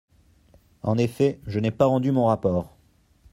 En effet, je n’ai pas rendu mon rapport.